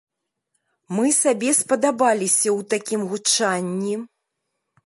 Мы сабе спадабаліся ў такім гучанні!